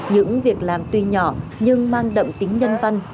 những việc làm tuy nhỏ nhưng mang đậm tính nhân văn